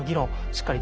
しっかり